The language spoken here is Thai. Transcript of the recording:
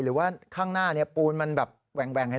หรือว่าข้างหน้าปูนมันแบบแหว่งเห็นไหม